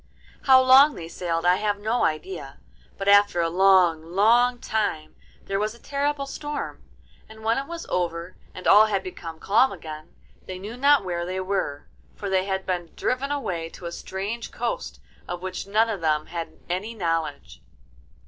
How long they sailed I have no idea, but after a long, long time there was a terrible storm, and when it was over and all had become calm again, they knew not where they were, for they had been driven away to a strange coast of which none of them had any knowledge.